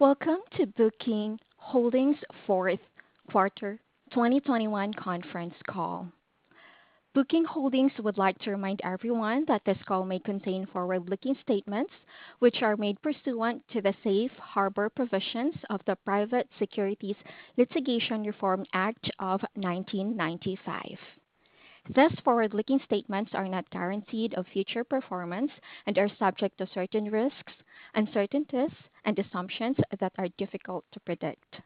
Welcome to Booking Holdings Fourth Quarter 2021 conference call. Booking Holdings would like to remind everyone that this call may contain forward-looking statements, which are made pursuant to the safe harbor provisions of the Private Securities Litigation Reform Act of 1995. These forward-looking statements are not guarantees of future performance and are subject to certain risks, uncertainties and assumptions that are difficult to predict.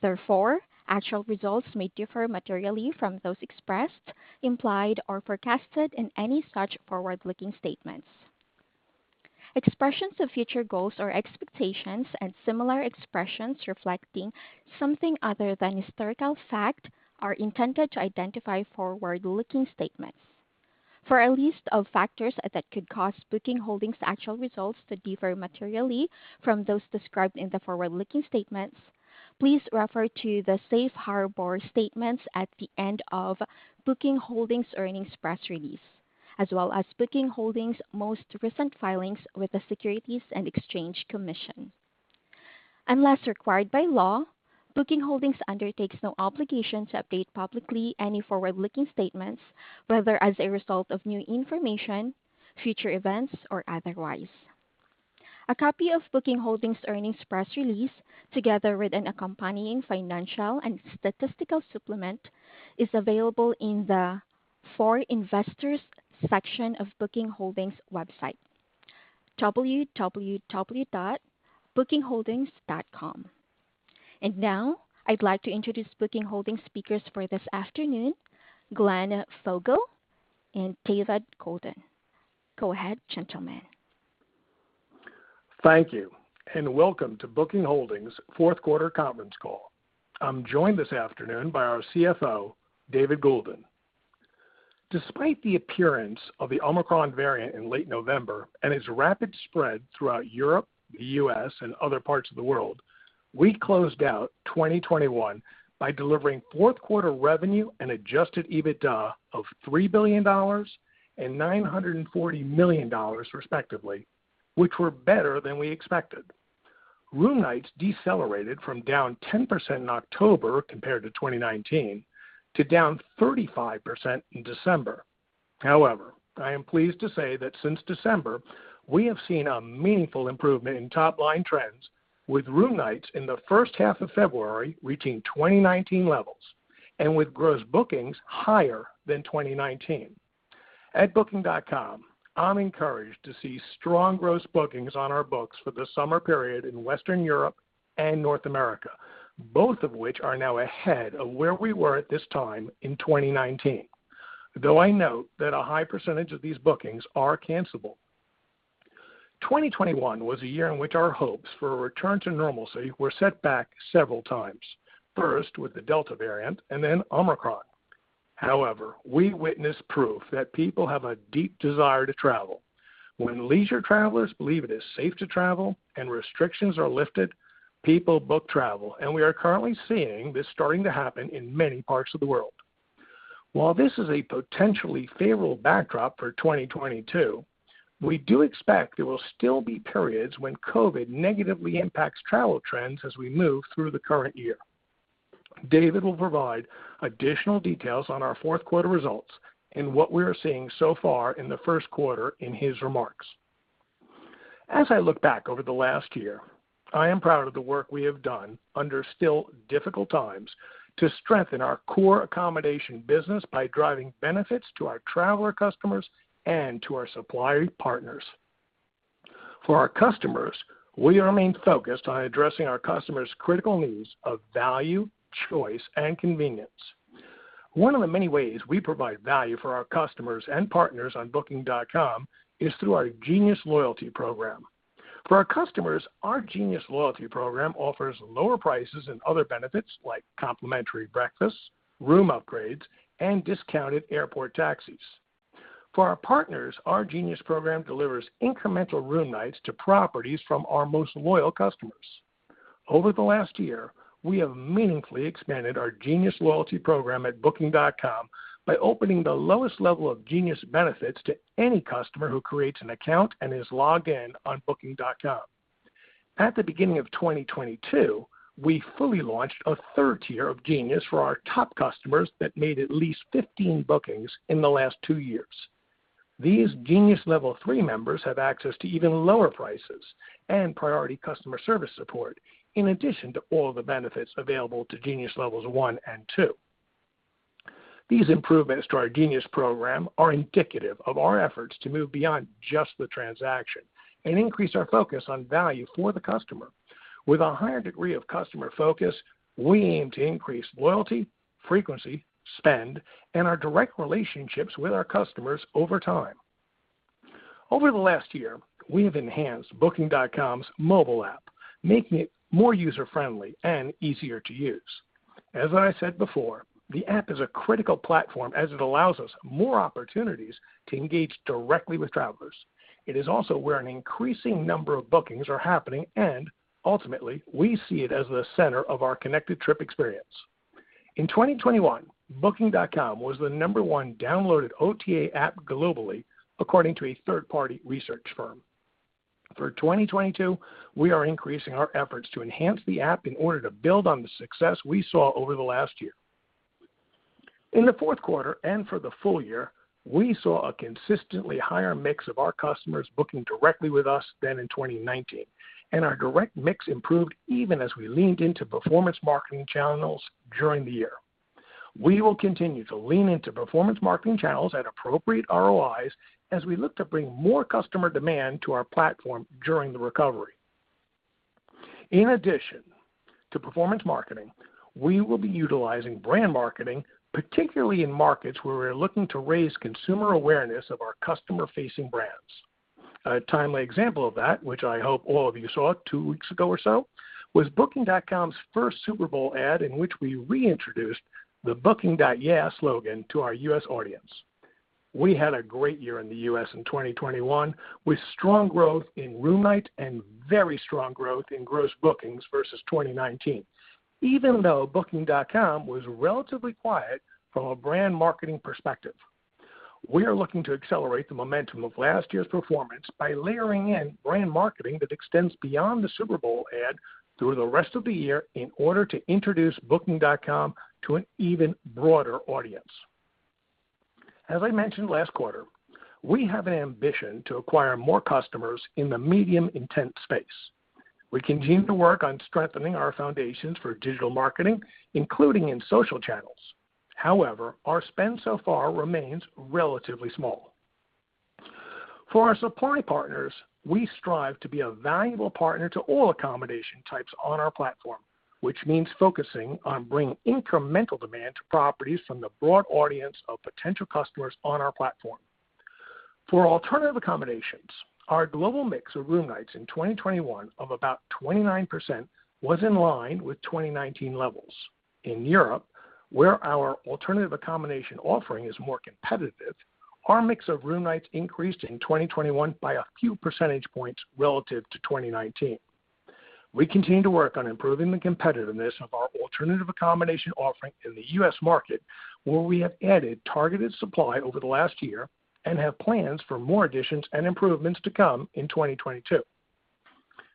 Therefore, actual results may differ materially from those expressed, implied or forecasted in any such forward-looking statements. Expressions of future goals or expectations and similar expressions reflecting something other than historical fact are intended to identify forward-looking statements. For a list of factors that could cause Booking Holdings' actual results to differ materially from those described in the forward-looking statements, please refer to the safe harbor statements at the end of Booking Holdings earnings press release, as well as Booking Holdings most recent filings with the Securities and Exchange Commission. Unless required by law, Booking Holdings undertakes no obligation to update publicly any forward-looking statements, whether as a result of new information, future events or otherwise. A copy of Booking Holdings earnings press release, together with an accompanying financial and statistical supplement, is available in the For Investors section of Booking Holdings website, www.bookingholdings.com. Now I'd like to introduce Booking Holdings speakers for this afternoon, Glenn Fogel and David Goulden. Go ahead, gentlemen. Thank you and welcome to Booking Holdings Fourth Quarter conference call. I'm joined this afternoon by our CFO, David Goulden. Despite the appearance of the Omicron variant in late November and its rapid spread throughout Europe, the U.S. and other parts of the world, we closed out 2021 by delivering fourth quarter revenue and adjusted EBITDA of $3 billion and $940 million respectively, which were better than we expected. Room nights decelerated from down 10% in October compared to 2019 to down 35% in December. However, I am pleased to say that since December, we have seen a meaningful improvement in top line trends, with room nights in the first half of February reaching 2019 levels and with gross bookings higher than 2019. At Booking.com, I'm encouraged to see strong gross bookings on our books for the summer period in Western Europe and North America, both of which are now ahead of where we were at this time in 2019. Though I note that a high percentage of these bookings are cancelable. 2021 was a year in which our hopes for a return to normalcy were set back several times, first with the Delta variant and then Omicron. However, we witnessed proof that people have a deep desire to travel. When leisure travelers believe it is safe to travel and restrictions are lifted, people book travel, and we are currently seeing this starting to happen in many parts of the world. While this is a potentially favorable backdrop for 2022, we do expect there will still be periods when COVID negatively impacts travel trends as we move through the current year. David will provide additional details on our fourth quarter results and what we are seeing so far in the first quarter in his remarks. I look back over the last year. I am proud of the work we have done under still difficult times to strengthen our core accommodation business by driving benefits to our traveler customers and to our supplier partners. For our customers, we remain focused on addressing our customers' critical needs of value, choice and convenience. One of the many ways we provide value for our customers and partners on Booking.com is through our Genius loyalty program. For our customers, our Genius loyalty program offers lower prices and other benefits like complimentary breakfasts, room upgrades, and discounted airport taxis. For our partners, our Genius program delivers incremental room nights to properties from our most loyal customers. Over the last year, we have meaningfully expanded our Genius loyalty program at booking.com by opening the lowest level of Genius benefits to any customer who creates an account and is logged in on booking.com. At the beginning of 2022, we fully launched a third tier of Genius for our top customers that made at least 15 bookings in the last two years. These Genius level three members have access to even lower prices and priority customer service support in addition to all the benefits available to Genius levels one and two. These improvements to our Genius program are indicative of our efforts to move beyond just the transaction and increase our focus on value for the customer. With a higher degree of customer focus, we aim to increase loyalty, frequency, spend and our direct relationships with our customers over time. Over the last year, we have enhanced Booking.com's mobile app, making it more user-friendly and easier to use. As I said before, the app is a critical platform as it allows us more opportunities to engage directly with travelers. It is also where an increasing number of bookings are happening, and ultimately we see it as the center of our connected trip experience. In 2021, Booking.com was the number one downloaded OTA app globally according to a third-party research firm. For 2022, we are increasing our efforts to enhance the app in order to build on the success we saw over the last year. In the fourth quarter and for the full year, we saw a consistently higher mix of our customers booking directly with us than in 2019, and our direct mix improved even as we leaned into performance marketing channels during the year. We will continue to lean into performance marketing channels at appropriate ROIs as we look to bring more customer demand to our platform during the recovery. In addition to performance marketing, we will be utilizing brand marketing, particularly in markets where we're looking to raise consumer awareness of our customer-facing brands. A timely example of that, which I hope all of you saw two weeks ago or so, was Booking.com's first Super Bowl ad, in which we reintroduced the Booking.yeah slogan to our U.S. audience. We had a great year in the U.S. in 2021, with strong growth in room night and very strong growth in gross bookings versus 2019, even though Booking.com was relatively quiet from a brand marketing perspective. We are looking to accelerate the momentum of last year's performance by layering in brand marketing that extends beyond the Super Bowl ad through the rest of the year in order to introduce Booking.com to an even broader audience. As I mentioned last quarter, we have an ambition to acquire more customers in the medium intent space. We continue to work on strengthening our foundations for digital marketing, including in social channels. However, our spend so far remains relatively small. For our supply partners, we strive to be a valuable partner to all accommodation types on our platform, which means focusing on bringing incremental demand to properties from the broad audience of potential customers on our platform. For alternative accommodations, our global mix of room nights in 2021 of about 29% was in line with 2019 levels. In Europe, where our alternative accommodation offering is more competitive, our mix of room nights increased in 2021 by a few percentage points relative to 2019. We continue to work on improving the competitiveness of our alternative accommodation offering in the U.S. market, where we have added targeted supply over the last year and have plans for more additions and improvements to come in 2022.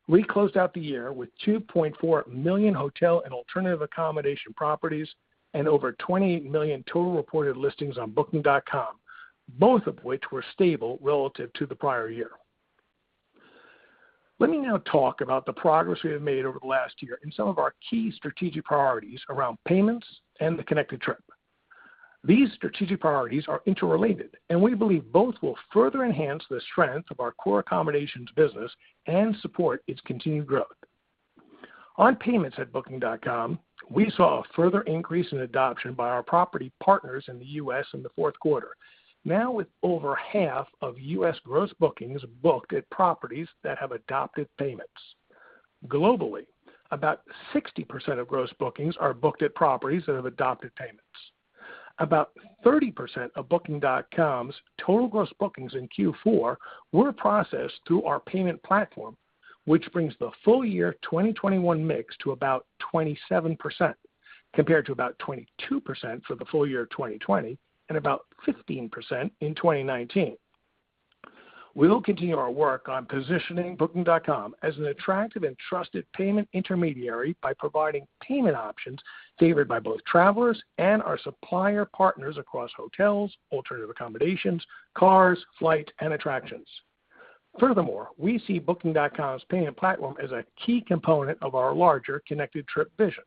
We closed out the year with 2.4 million hotel and alternative accommodation properties and over 20 million total reported listings on Booking.com, both of which were stable relative to the prior year. Let me now talk about the progress we have made over the last year in some of our key strategic priorities around payments and the connected trip. These strategic priorities are interrelated, and we believe both will further enhance the strength of our core accommodations business and support its continued growth. On payments at Booking.com, we saw a further increase in adoption by our property partners in the U.S. in the fourth quarter. Now with over half of U.S. gross bookings booked at properties that have adopted payments. Globally, about 60% of gross bookings are booked at properties that have adopted payments. About 30% of Booking.com's total gross bookings in Q4 were processed through our payment platform, which brings the full year 2021 mix to about 27% compared to about 22% for the full year 2020 and about 15% in 2019. We will continue our work on positioning Booking.com as an attractive and trusted payment intermediary by providing payment options favored by both travelers and our supplier partners across hotels, alternative accommodations, cars, flight, and attractions. Furthermore, we see Booking.com's payment platform as a key component of our larger connected trip vision.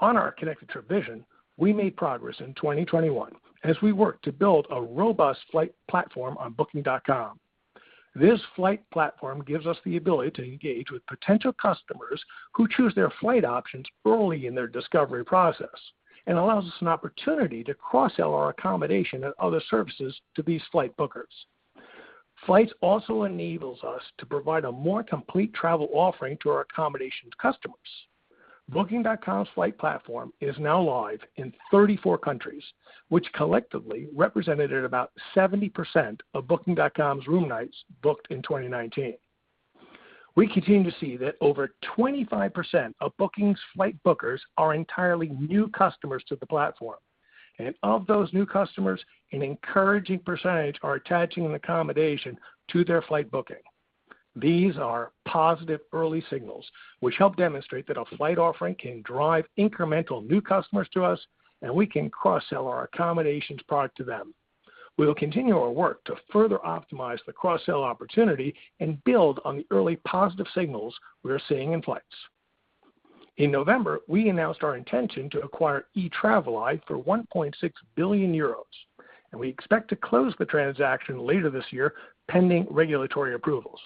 On our connected trip vision, we made progress in 2021 as we work to build a robust flight platform on Booking.com. This flight platform gives us the ability to engage with potential customers who choose their flight options early in their discovery process and allows us an opportunity to cross-sell our accommodation and other services to these flight bookers. Flights also enables us to provide a more complete travel offering to our accommodations customers. Booking.com's flight platform is now live in 34 countries, which collectively represented about 70% of Booking.com's room nights booked in 2019. We continue to see that over 25% of Booking's flight bookers are entirely new customers to the platform, and of those new customers, an encouraging percentage are attaching an accommodation to their flight booking. These are positive early signals, which help demonstrate that a flight offering can drive incremental new customers to us, and we can cross-sell our accommodations product to them. We will continue our work to further optimize the cross-sell opportunity and build on the early positive signals we are seeing in flights. In November, we announced our intention to acquire Etraveli for 1.6 billion euros, and we expect to close the transaction later this year, pending regulatory approvals.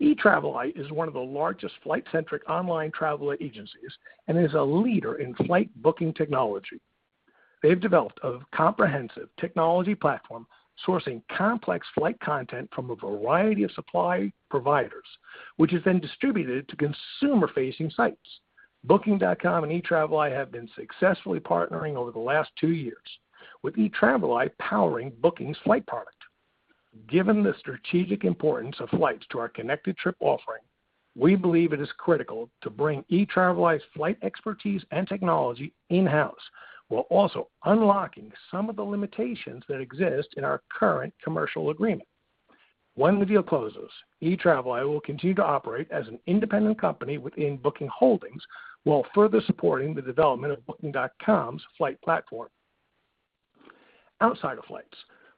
Etraveli is one of the largest flight-centric online travel agencies and is a leader in flight booking technology. They've developed a comprehensive technology platform sourcing complex flight content from a variety of supply providers, which is then distributed to consumer-facing sites. Booking.com and eTraveli have been successfully partnering over the last two years, with Etraveli powering Booking's flight product. Given the strategic importance of flights to our connected trip offering, we believe it is critical to bring eTraveli's flight expertise and technology in-house, while also unlocking some of the limitations that exist in our current commercial agreement. When the deal closes, Etraveli will continue to operate as an independent company within Booking Holdings while further supporting the development of Booking.com's flight platform. Outside of flights,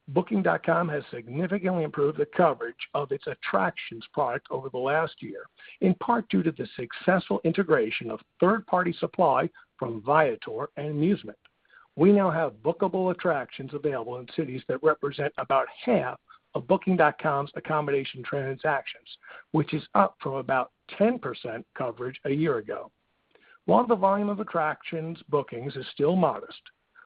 Booking.com has significantly improved the coverage of its attractions product over the last year, in part due to the successful integration of third-party supply from Viator and Musement. We now have bookable attractions available in cities that represent about half of Booking.com's accommodation transactions, which is up from about 10% coverage a year ago. While the volume of attractions bookings is still modest,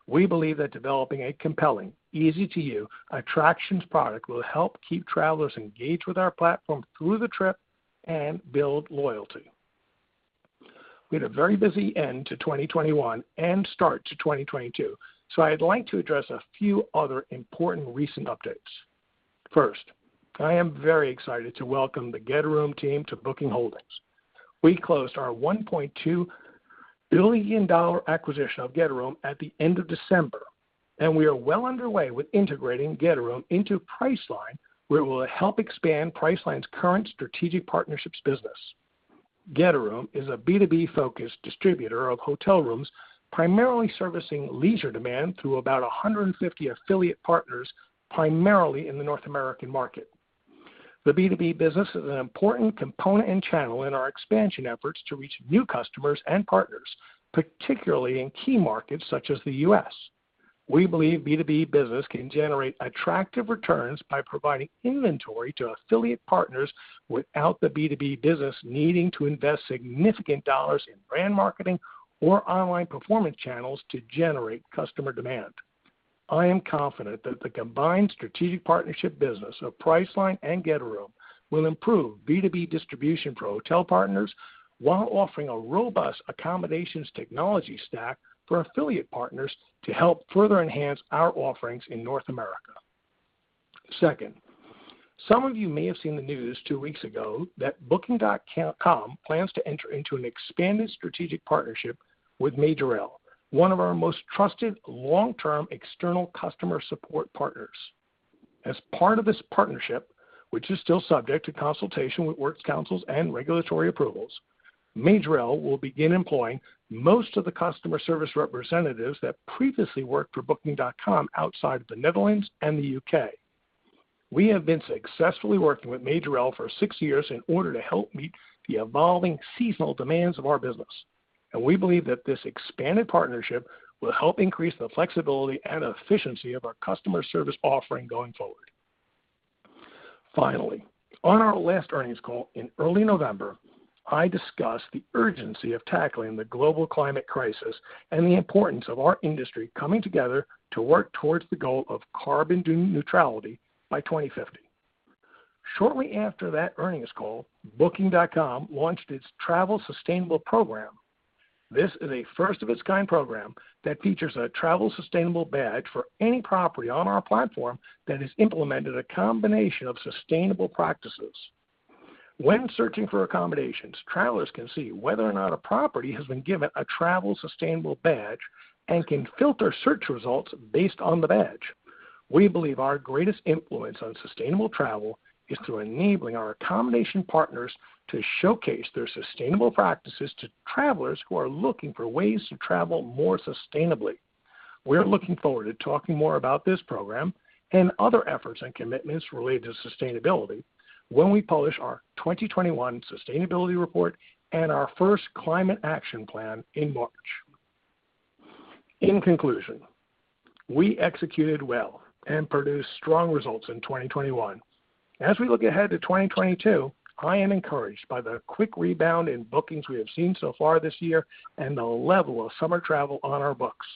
we believe that developing a compelling, easy-to-use attractions product will help keep travelers engaged with our platform through the trip and build loyalty. We had a very busy end to 2021 and start to 2022, so I'd like to address a few other important recent updates. First, I am very excited to welcome the Getaroom team to Booking Holdings. We closed our $1.2 billion acquisition of Getaroom at the end of December, and we are well underway with integrating Getaroom into Priceline, where it will help expand Priceline's current strategic partnerships business. Getaroom is a B2B-focused distributor of hotel rooms, primarily servicing leisure demand through about 150 affiliate partners, primarily in the North American market. The B2B business is an important component and channel in our expansion efforts to reach new customers and partners, particularly in key markets such as the U.S. We believe B2B business can generate attractive returns by providing inventory to affiliate partners without the B2B business needing to invest significant dollars in brand marketing or online performance channels to generate customer demand. I am confident that the combined strategic partnership business of Priceline and Getaroom will improve B2B distribution for hotel partners while offering a robust accommodations technology stack for affiliate partners to help further enhance our offerings in North America. Second, some of you may have seen the news two weeks ago that Booking.com plans to enter into an expanded strategic partnership with Majorel, one of our most trusted long-term external customer support partners. As part of this partnership, which is still subject to consultation with works councils and regulatory approvals, Majorel will begin employing most of the customer service representatives that previously worked for Booking.com outside of the Netherlands and the U.K. We have been successfully working with Majorel for six years in order to help meet the evolving seasonal demands of our business, and we believe that this expanded partnership will help increase the flexibility and efficiency of our customer service offering going forward. Finally, on our last earnings call in early November, I discussed the urgency of tackling the global climate crisis and the importance of our industry coming together to work towards the goal of carbon neutrality by 2050. Shortly after that earnings call, Booking.com launched its Travel Sustainable program. This is a first-of-its-kind program that features a Travel Sustainable badge for any property on our platform that has implemented a combination of sustainable practices. When searching for accommodations, travelers can see whether or not a property has been given a Travel Sustainable badge and can filter search results based on the badge. We believe our greatest influence on sustainable travel is through enabling our accommodation partners to showcase their sustainable practices to travelers who are looking for ways to travel more sustainably. We're looking forward to talking more about this program and other efforts and commitments related to sustainability when we publish our 2021 sustainability report and our first climate action plan in March. In conclusion, we executed well and produced strong results in 2021. As we look ahead to 2022, I am encouraged by the quick rebound in bookings we have seen so far this year and the level of summer travel on our books.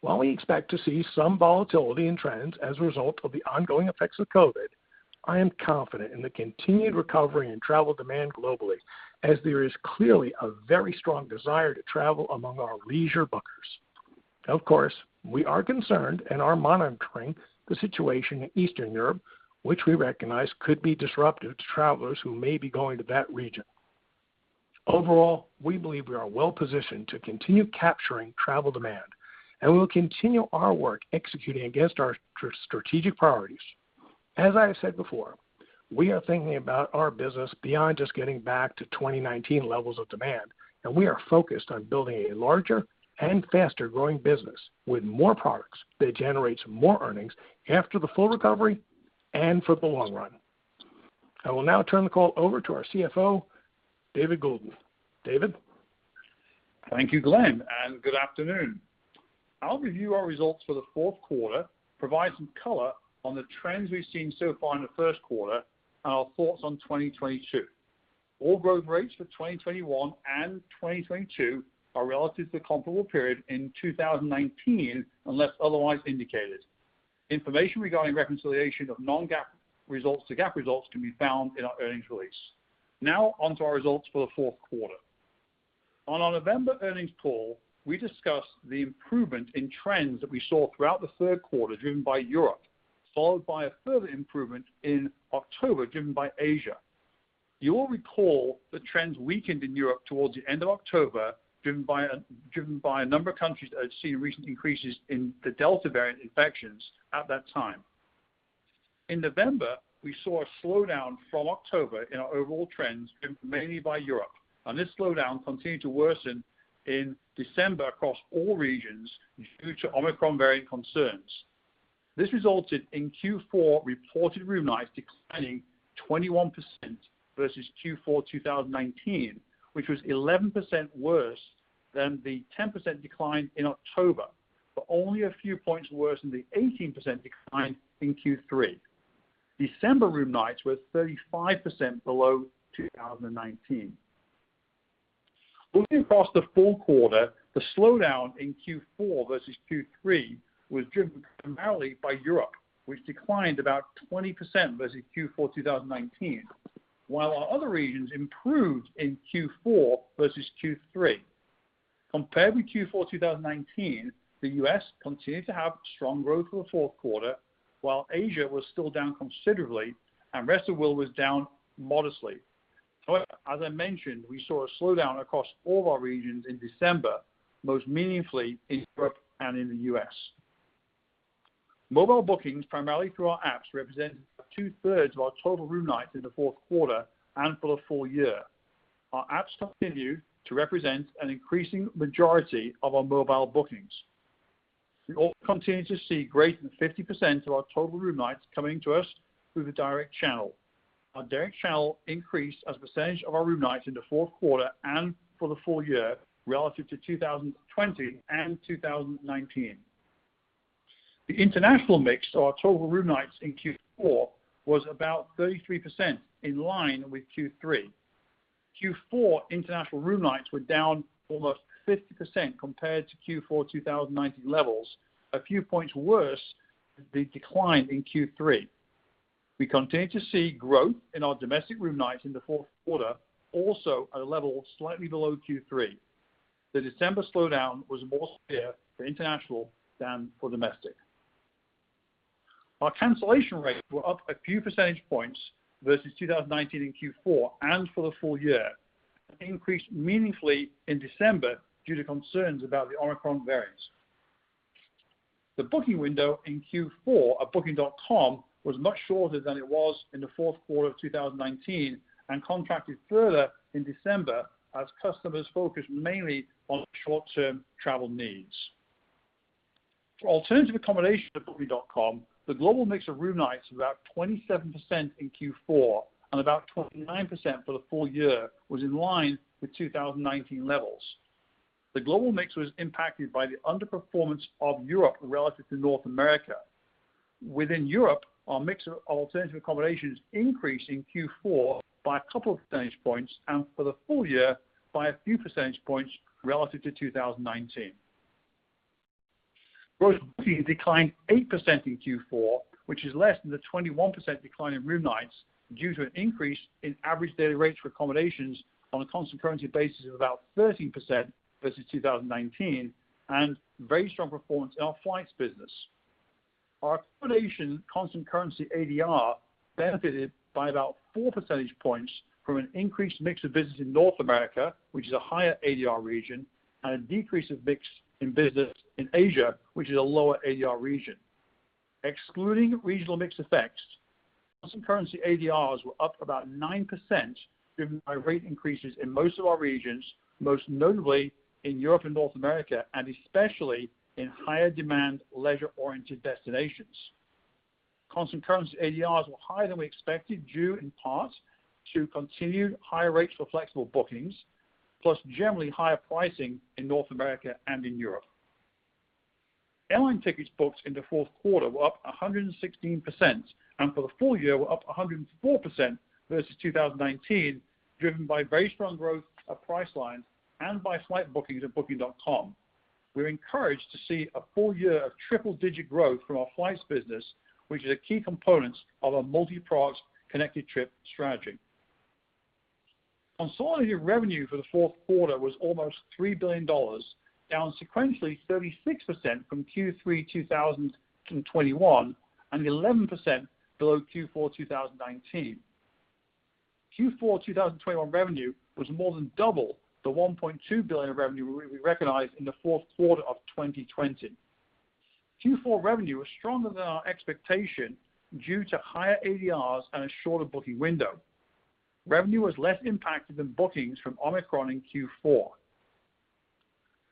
While we expect to see some volatility in trends as a result of the ongoing effects of Covid, I am confident in the continued recovery in travel demand globally as there is clearly a very strong desire to travel among our leisure bookers. Of course, we are concerned and are monitoring the situation in Eastern Europe, which we recognize could be disruptive to travelers who may be going to that region. Overall, we believe we are well-positioned to continue capturing travel demand, and we will continue our work executing against our strategic priorities. As I have said before, we are thinking about our business beyond just getting back to 2019 levels of demand, and we are focused on building a larger and faster-growing business with more products that generates more earnings after the full recovery and for the long run. I will now turn the call over to our CFO, David Goulden. David? Thank you, Glenn, and good afternoon. I'll review our results for the fourth quarter, provide some color on the trends we've seen so far in the first quarter, and our thoughts on 2022. All growth rates for 2021 and 2022 are relative to the comparable period in 2019, unless otherwise indicated. Information regarding reconciliation of non-GAAP results to GAAP results can be found in our earnings release. Now on to our results for the fourth quarter. On our November earnings call, we discussed the improvement in trends that we saw throughout the third quarter, driven by Europe, followed by a further improvement in October, driven by Asia. You will recall the trends weakened in Europe towards the end of October, driven by a number of countries that had seen recent increases in the Delta variant infections at that time. In November, we saw a slowdown from October in our overall trends, driven mainly by Europe, and this slowdown continued to worsen in December across all regions due to Omicron variant concerns. This resulted in Q4 reported room nights declining 21% versus Q4 2019, which was 11% worse than the 10% decline in October, but only a few points worse than the 18% decline in Q3. December room nights were 35% below 2019. Looking across the full quarter, the slowdown in Q4 versus Q3 was driven primarily by Europe, which declined about 20% versus Q4 2019. While our other regions improved in Q4 versus Q3. Compared with Q4 2019, the U.S. continued to have strong growth for the fourth quarter, while Asia was still down considerably and rest of world was down modestly. However, as I mentioned, we saw a slowdown across all our regions in December, most meaningfully in Europe and in the U.S. Mobile bookings, primarily through our apps, represented two-thirds of our total room nights in the fourth quarter and for the full year. Our apps continue to represent an increasing majority of our mobile bookings. We also continue to see greater than 50% of our total room nights coming to us through the direct channel. Our direct channel increased as a percentage of our room nights in the fourth quarter and for the full year relative to 2020 and 2019. The international mix of our total room nights in Q4 was about 33% in line with Q3. Q4 international room nights were down almost 50% compared to Q4 2019 levels, a few points worse than the decline in Q3. We continue to see growth in our domestic room nights in the fourth quarter, also at a level slightly below Q3. The December slowdown was more severe for international than for domestic. Our cancellation rates were up a few percentage points versus 2019 in Q4 and for the full year and increased meaningfully in December due to concerns about the Omicron variants. The booking window in Q4 at Booking.com was much shorter than it was in the fourth quarter of 2019 and contracted further in December as customers focused mainly on short-term travel needs. For alternative accommodation at booking.com, the global mix of room nights was about 27% in Q4 and about 29% for the full year was in line with 2019 levels. The global mix was impacted by the underperformance of Europe relative to North America. Within Europe, our mix of alternative accommodations increased in Q4 by a couple of percentage points and for the full year by a few percentage points relative to 2019. Gross bookings declined 8% in Q4, which is less than the 21% decline in room nights due to an increase in average daily rates for accommodations on a constant currency basis of about 13% versus 2019, and very strong performance in our flights business. Our accommodation constant currency ADR benefited by about 4 percentage points from an increased mix of business in North America, which is a higher ADR region, and a decrease of mix in business in Asia, which is a lower ADR region. Excluding regional mix effects, constant currency ADRs were up about 9% driven by rate increases in most of our regions, most notably in Europe and North America, and especially in higher demand, leisure-oriented destinations. Constant currency ADRs were higher than we expected, due in part to continued higher rates for flexible bookings, plus generally higher pricing in North America and in Europe. Airline tickets booked in the fourth quarter were up 116%, and for the full year were up 104% versus 2019, driven by very strong growth of Priceline and by flight bookings at Booking.com. We're encouraged to see a full year of triple-digit growth from our flights business, which is a key component of our multi-product connected trip strategy. Consolidated revenue for the fourth quarter was almost $3 billion, down sequentially 36% from Q3 2021, and 11% below Q4 2019. Q4 2021 revenue was more than double the $1.2 billion revenue we recognized in the fourth quarter of 2020. Q4 revenue was stronger than our expectation due to higher ADRs and a shorter booking window. Revenue was less impacted than bookings from Omicron in Q4.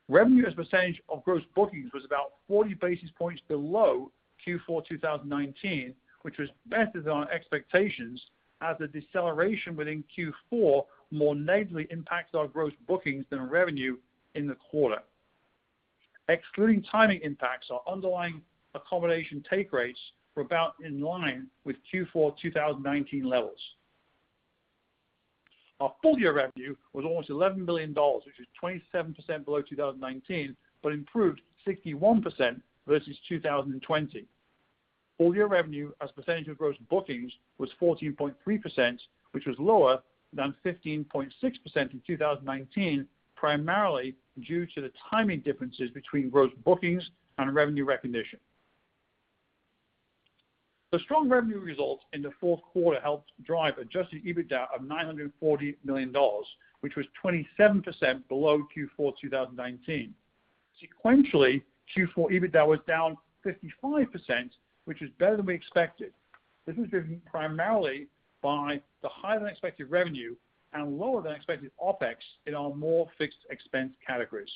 Revenue as a percentage of gross bookings was about 40 basis points below Q4 2019, which was better than our expectations as the deceleration within Q4 more negatively impacted our gross bookings than revenue in the quarter. Excluding timing impacts, our underlying accommodation take rates were about in line with Q4 2019 levels. Our full-year revenue was almost $11 billion, which was 27% below 2019, but improved 61% versus 2020. Full-year revenue as a percentage of gross bookings was 14.3%, which was lower than 15.6% in 2019, primarily due to the timing differences between gross bookings and revenue recognition. The strong revenue results in the fourth quarter helped drive adjusted EBITDA of $940 million, which was 27% below Q4 2019. Sequentially, Q4 EBITDA was down 55%, which is better than we expected. This was driven primarily by the higher than expected revenue and lower than expected OpEx in our more fixed expense categories.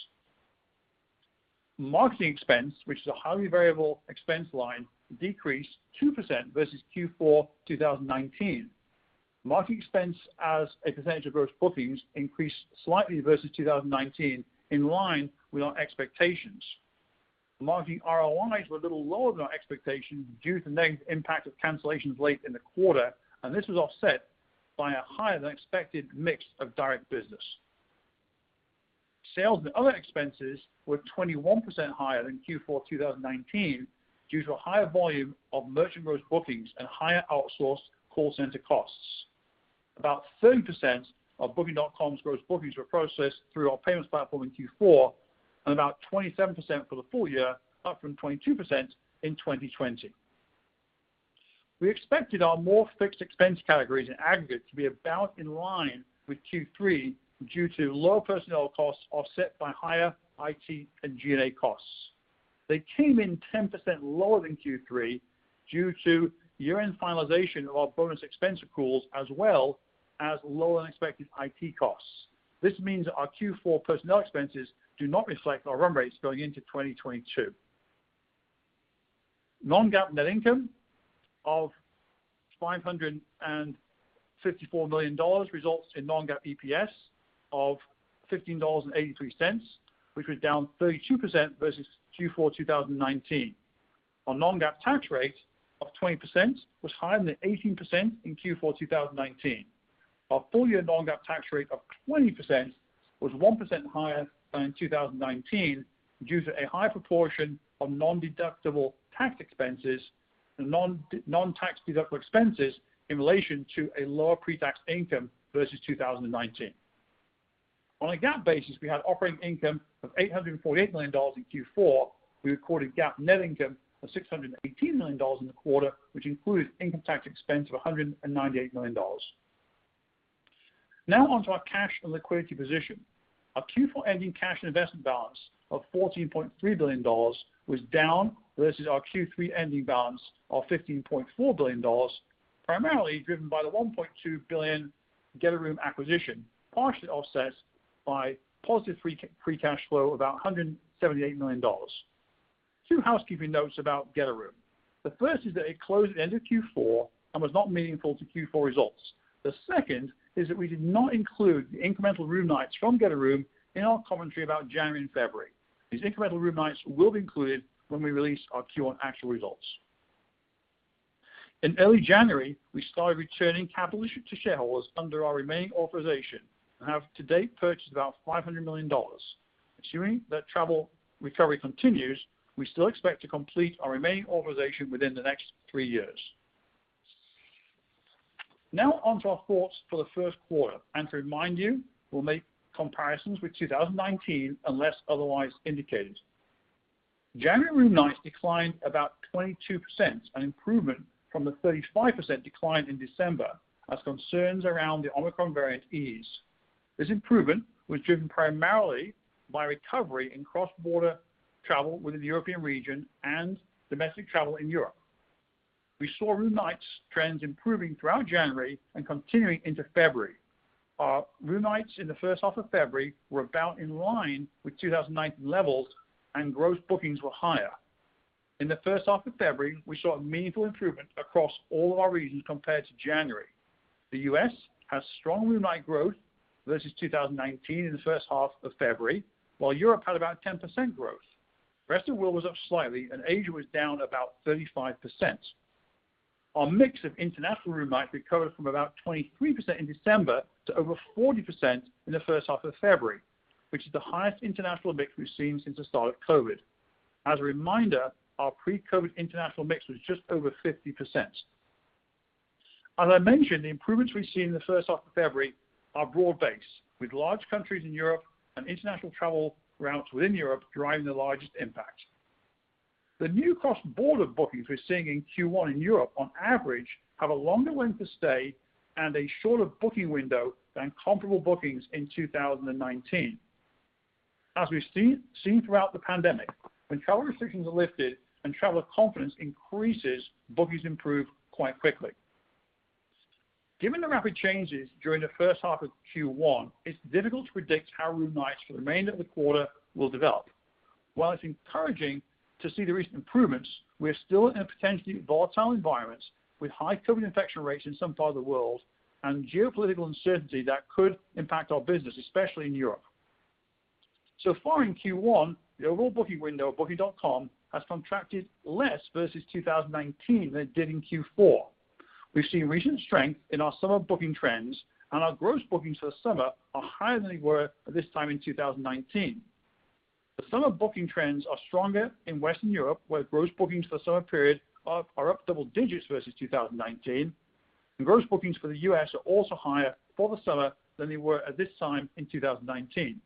Marketing expense, which is a highly variable expense line, decreased 2% versus Q4 2019. Marketing expense as a percentage of gross bookings increased slightly versus 2019 in line with our expectations. Marketing ROIs were a little lower than our expectations due to negative impact of cancellations late in the quarter, and this was offset by a higher than expected mix of direct business. Sales and other expenses were 21% higher than Q4 2019 due to a higher volume of merchant gross bookings and higher outsourced call center costs. About 30% of Booking.com's gross bookings were processed through our payments platform in Q4 and about 27% for the full year, up from 22% in 2020. We expected our more fixed expense categories in aggregate to be about in line with Q3 due to lower personnel costs offset by higher IT and G&A costs. They came in 10% lower than Q3 due to year-end finalization of our bonus expense accruals, as well as lower-than-expected IT costs. This means that our Q4 personnel expenses do not reflect our run rates going into 2022. Non-GAAP net income of $554 million results in non-GAAP EPS of $15.83, which was down 32% versus Q4 2019. Our non-GAAP tax rate of 20% was higher than the 18% in Q4 2019. Our full-year non-GAAP tax rate of 20% was 1% higher than in 2019 due to a higher proportion of non-tax-deductible expenses in relation to a lower pre-tax income versus 2019. On a GAAP basis, we had operating income of $848 million in Q4. We recorded GAAP net income of $618 million in the quarter, which included income tax expense of $198 million. Now on to our cash and liquidity position. Our Q4 ending cash and investment balance of $14.3 billion was down versus our Q3 ending balance of $15.4 billion, primarily driven by the $1.2 billion Getaroom acquisition, partially offset by positive free cash flow of about $178 million. Two housekeeping notes about Getaroom. The first is that it closed at the end of Q4 and was not meaningful to Q4 results. The second is that we did not include the incremental room nights from Getaroom in our commentary about January and February. These incremental room nights will be included when we release our Q1 actual results. In early January, we started returning capital to shareholders under our remaining authorization and have to date purchased about $500 million. Assuming that travel recovery continues, we still expect to complete our remaining authorization within the next three years. Now on to our thoughts for the first quarter. To remind you, we'll make comparisons with 2019 unless otherwise indicated. January room nights declined about 22%, an improvement from the 35% decline in December as concerns around the Omicron variant ease. This improvement was driven primarily by recovery in cross-border travel within the European region and domestic travel in Europe. We saw room nights trends improving throughout January and continuing into February. Our room nights in the first half of February were about in line with 2019 levels and gross bookings were higher. In the first half of February, we saw a meaningful improvement across all of our regions compared to January. The U.S. has strong room night growth versus 2019 in the first half of February, while Europe had about 10% growth. The rest of the world was up slightly, and Asia was down about 35%. Our mix of international room nights recovered from about 23% in December to over 40% in the first half of February, which is the highest international mix we've seen since the start of COVID. As a reminder, our pre-COVID international mix was just over 50%. As I mentioned, the improvements we've seen in the first half of February are broad-based, with large countries in Europe and international travel routes within Europe driving the largest impact. The new cross-border bookings we're seeing in Q1 in Europe, on average, have a longer length of stay and a shorter booking window than comparable bookings in 2019. As we've seen throughout the pandemic, when travel restrictions are lifted and traveler confidence increases, bookings improve quite quickly. Given the rapid changes during the first half of Q1, it's difficult to predict how room nights for the remainder of the quarter will develop. While it's encouraging to see the recent improvements, we're still in a potentially volatile environment with high COVID infection rates in some parts of the world and geopolitical uncertainty that could impact our business, especially in Europe. So far in Q1, the overall booking window of Booking.com has contracted less versus 2019 than it did in Q4. We've seen recent strength in our summer booking trends, and our gross bookings for the summer are higher than they were at this time in 2019. The summer booking trends are stronger in Western Europe, where gross bookings for the summer period are up double digits versus 2019. Gross bookings for the U.S. are also higher for the summer than they were at this time in 2019.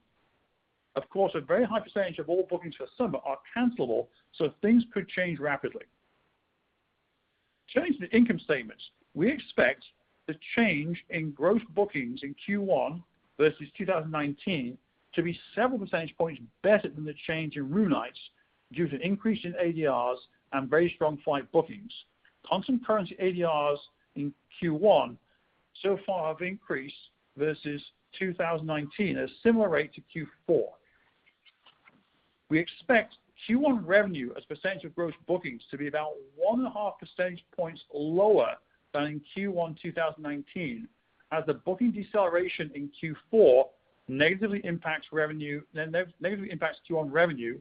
Of course, a very high percentage of all bookings for summer are cancelable, so things could change rapidly. Turning to the income statements. We expect the change in gross bookings in Q1 versus 2019 to be several percentage points better than the change in room nights due to an increase in ADRs and very strong flight bookings. Constant currency ADRs in Q1 so far have increased versus 2019 at a similar rate to Q4. We expect Q1 revenue as a percentage of gross bookings to be about 1.5 percentage points lower than in Q1 2019, as the booking deceleration in Q4 negatively impacts Q1 revenue,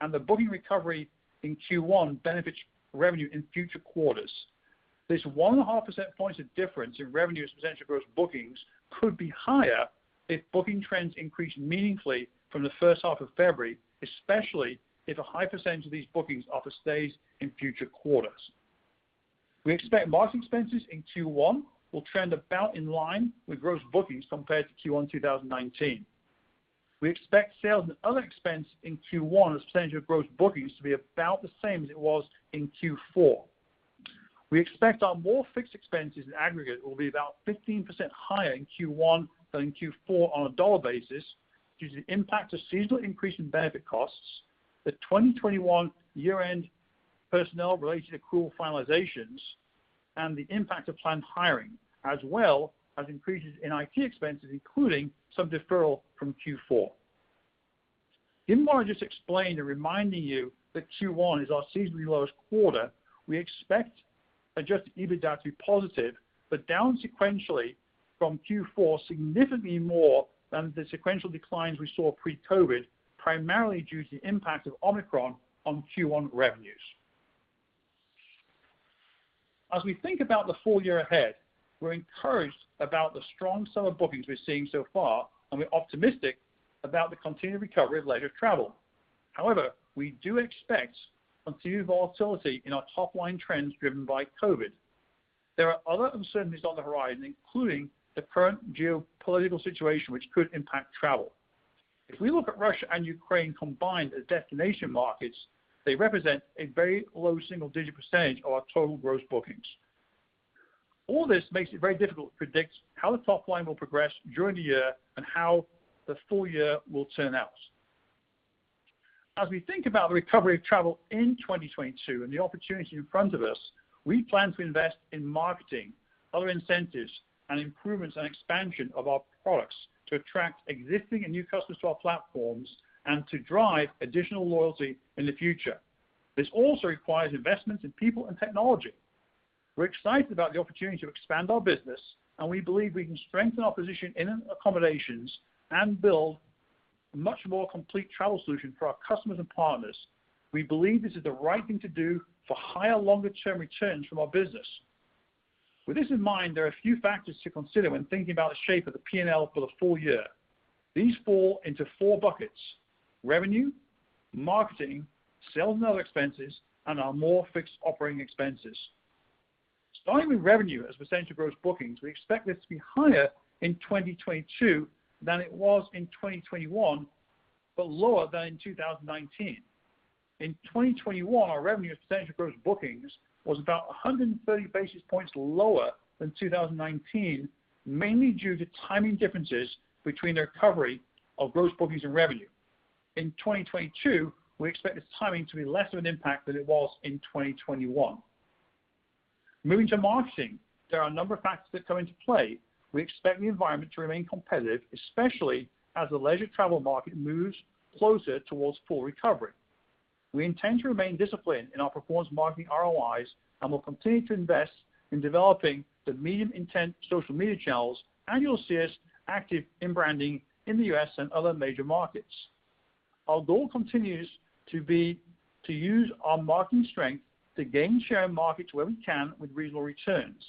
and the booking recovery in Q1 benefits revenue in future quarters. This 1.5 percentage points of difference in revenue as a percentage of gross bookings could be higher if booking trends increase meaningfully from the first half of February, especially if a high percentage of these bookings are for stays in future quarters. We expect marketing expenses in Q1 will trend about in line with gross bookings compared to Q1 2019. We expect sales and other expense in Q1 as a percentage of gross bookings to be about the same as it was in Q4. We expect our more fixed expenses in aggregate will be about 15% higher in Q1 than in Q4 on a dollar basis due to the impact of seasonal increase in benefit costs, the 2021 year-end personnel related accrual finalizations, and the impact of planned hiring, as well as increases in IT expenses, including some deferral from Q4. Given what I just explained and reminding you that Q1 is our seasonally lowest quarter, we expect adjusted EBITDA to be positive, but down sequentially from Q4 significantly more than the sequential declines we saw pre-COVID, primarily due to the impact of Omicron on Q1 revenues. As we think about the full year ahead, we're encouraged about the strong summer bookings we're seeing so far, and we're optimistic about the continued recovery of leisure travel. However, we do expect continued volatility in our top-line trends driven by COVID. There are other uncertainties on the horizon, including the current geopolitical situation, which could impact travel. If we look at Russia and Ukraine combined as destination markets, they represent a very low single-digit percent of our total gross bookings. All this makes it very difficult to predict how the top line will progress during the year and how the full year will turn out. As we think about the recovery of travel in 2022 and the opportunity in front of us, we plan to invest in marketing, other incentives, and improvements and expansion of our products to attract existing and new customers to our platforms and to drive additional loyalty in the future. This also requires investments in people and technology. We're excited about the opportunity to expand our business, and we believe we can strengthen our position in accommodations and build a much more complete travel solution for our customers and partners. We believe this is the right thing to do for higher longer-term returns from our business. With this in mind, there are a few factors to consider when thinking about the shape of the P&L for the full year. These fall into four buckets: revenue, marketing, sales and other expenses, and our more fixed operating expenses. Starting with revenue as a percentage of gross bookings, we expect this to be higher in 2022 than it was in 2021, but lower than in 2019. In 2021, our revenue as a percentage of gross bookings was about 130 basis points lower than 2019, mainly due to timing differences between the recovery of gross bookings and revenue. In 2022, we expect this timing to be less of an impact than it was in 2021. Moving to marketing, there are a number of factors that come into play. We expect the environment to remain competitive, especially as the leisure travel market moves closer toward full recovery. We intend to remain disciplined in our performance marketing ROIs, and we'll continue to invest in developing the medium intent social media channels, and you'll see us active in branding in the U.S. and other major markets. Our goal continues to be to use our marketing strength to gain share in markets where we can with reasonable returns.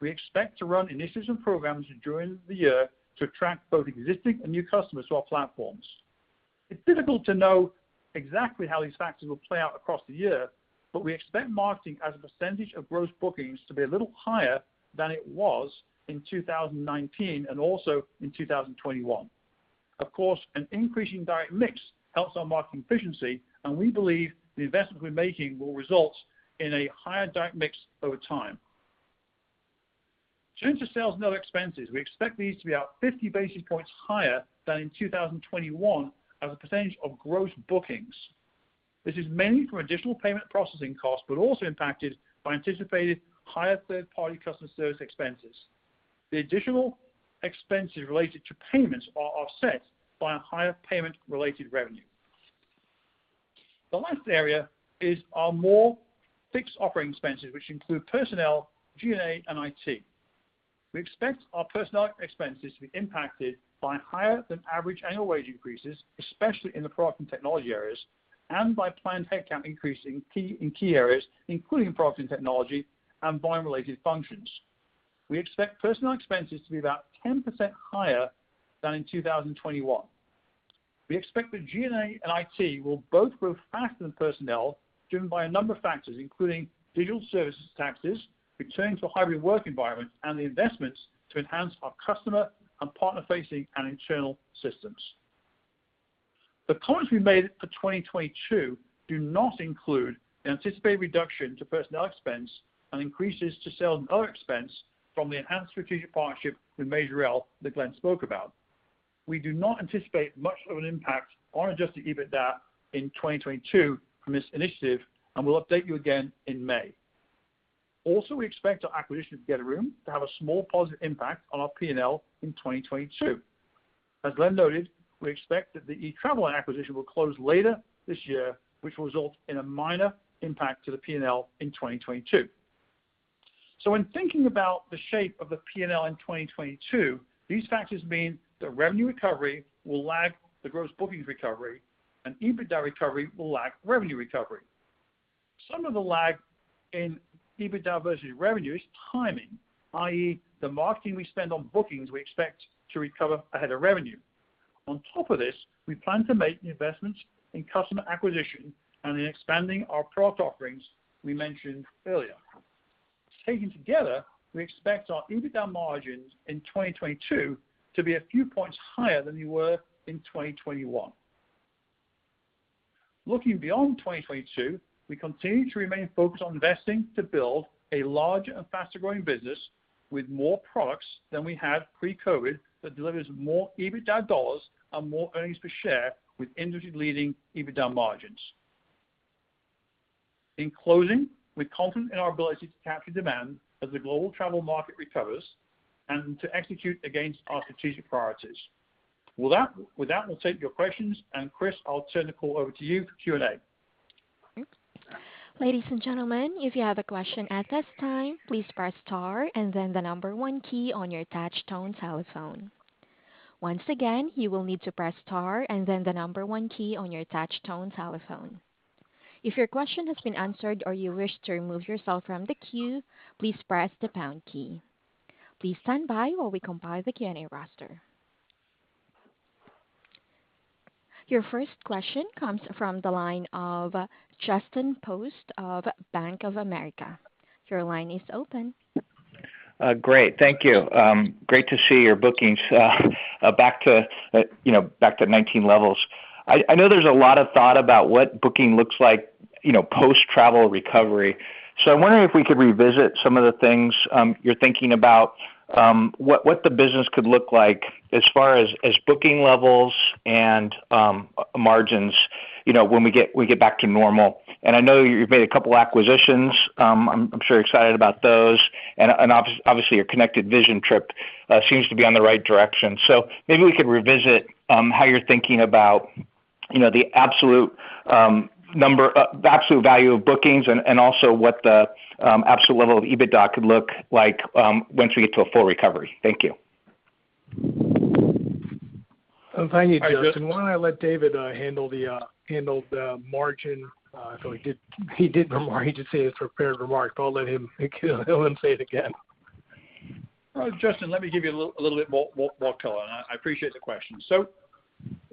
We expect to run initiatives and programs during the year to attract both existing and new customers to our platforms. It's difficult to know exactly how these factors will play out across the year, but we expect marketing as a percentage of gross bookings to be a little higher than it was in 2019 and also in 2021. Of course, an increasing direct mix helps our marketing efficiency, and we believe the investments we're making will result in a higher direct mix over time. Turning to sales and other expenses, we expect these to be out 50 basis points higher than in 2021 as a percentage of gross bookings. This is mainly from additional payment processing costs but also impacted by anticipated higher third-party customer service expenses. The additional expenses related to payments are offset by a higher payment-related revenue. The last area is our more fixed operating expenses, which include personnel, G&A, and IT. We expect our personnel expenses to be impacted by higher than average annual wage increases, especially in the product and technology areas, and by planned headcount increase in key areas, including product and technology and volume-related functions. We expect personnel expenses to be about 10% higher than in 2021. We expect that G&A and IT will both grow faster than personnel, driven by a number of factors, including digital services taxes, returning to a hybrid work environment, and the investments to enhance our customer and partner-facing and internal systems. The comments we made for 2022 do not include the anticipated reduction to personnel expense and increases to sales and other expense from the enhanced strategic partnership with Majorel that Glenn spoke about. We do not anticipate much of an impact on adjusted EBITDA in 2022 from this initiative, and we'll update you again in May. Also, we expect our acquisition of Getaroom to have a small positive impact on our P&L in 2022. As Glenn noted, we expect that the Etraveli acquisition will close later this year, which will result in a minor impact to the P&L in 2022. When thinking about the shape of the P&L in 2022, these factors mean that revenue recovery will lag the gross bookings recovery, and EBITDA recovery will lag revenue recovery. Some of the lag in EBITDA versus revenue is timing, i.e., the marketing we spend on bookings we expect to recover ahead of revenue. On top of this, we plan to make new investments in customer acquisition and in expanding our product offerings we mentioned earlier. Taken together, we expect our EBITDA margins in 2022 to be a few points higher than they were in 2021. Looking beyond 2022, we continue to remain focused on investing to build a larger and faster-growing business with more products than we had pre-COVID that delivers more EBITDA dollars and more earnings per share with industry-leading EBITDA margins. In closing, we're confident in our ability to capture demand as the global travel market recovers and to execute against our strategic priorities. With that, we'll take your questions. Chris, I'll turn the call over to you for Q&A. If your question has been answered or you wish to remove yourself from the queue, please press the pound key. Please stand by while we compile the Q&A roster. Your first question comes from the line of Justin Post of Bank of America. Your line is open. Great. Thank you. Great to see your bookings back to, you know, 2019 levels. I know there's a lot of thought about what Booking looks like, you know, post-travel recovery. I'm wondering if we could revisit some of the things you're thinking about what the business could look like as far as booking levels and margins, you know, when we get back to normal. I know you've made a couple acquisitions. I'm sure you're excited about those and obviously your connected trip seems to be on the right direction. Maybe we could revisit how you're thinking about, you know, the absolute value of bookings and also what the absolute level of EBITDA could look like once we get to a full recovery. Thank you. Thank you, Justin. Why don't I let David handle the margin? He did more, he just say his prepared remark, but I'll let him say it again. All right. Justin, let me give you a little bit more color, and I appreciate the question.